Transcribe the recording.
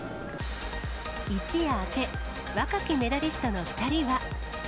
一夜明け、若きメダリストの２人は。